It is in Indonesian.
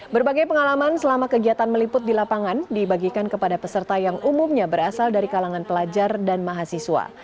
berbagai pengalaman selama kegiatan meliput di lapangan dibagikan kepada peserta yang umumnya berasal dari kalangan pelajar dan mahasiswa